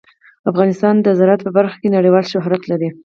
افغانستان د زراعت په برخه کې نړیوال شهرت لري.